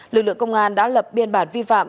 lực lượng công an đã lập biên bản vi phạm